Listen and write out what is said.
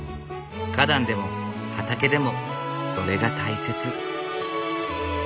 花壇でも畑でもそれが大切。